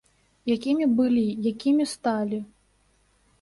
Якімі былі, якімі сталі?